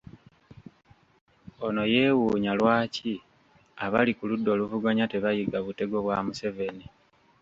Ono yeewuunya lwaki abali ku ludda oluvuganya tebayiga butego bwa Museveni.